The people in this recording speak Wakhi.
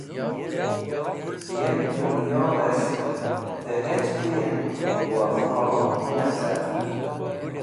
Yem Dunyohes̃h de hech Kuyen Wafo ne cart